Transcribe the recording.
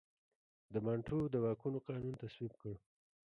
د بانټو د واکونو قانون تصویب کړ.